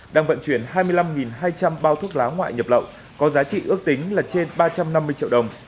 đang vận chuyển hai mươi năm hai trăm linh bao thuốc lá ngoại nhập lậu có giá trị ước tính là trên ba trăm năm mươi triệu đồng